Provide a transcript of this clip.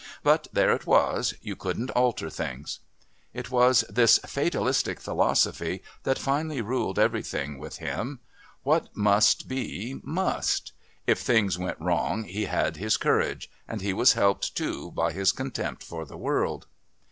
But there it was you couldn't alter things. It was this fatalistic philosophy that finally ruled everything with him. "What must be must." If things went wrong he had his courage, and he was helped too by his contempt for the world....